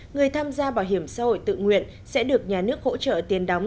người tham gia bảo hiểm xã hội tự nguyện sẽ được nhà nước hỗ trợ tiền đóng